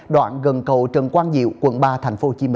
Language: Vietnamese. đoạn gần cầu trần quang diệu quận ba tp hcm